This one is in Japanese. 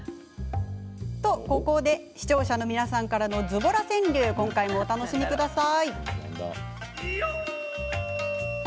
ここで視聴者の皆さんからのズボラ川柳をお楽しみください。